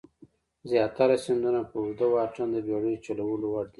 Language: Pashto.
زیاتره سیندونه په اوږده واټن د بېړیو چلولو وړ دي.